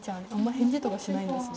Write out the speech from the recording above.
返事とかしないんですね。